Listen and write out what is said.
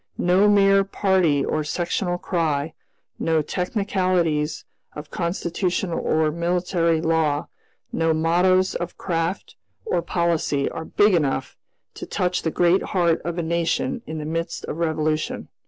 No mere party or sectional cry, no technicalities of constitutional or military law, no mottoes of craft or policy are big enough to touch the great heart of a nation in the midst of revolution.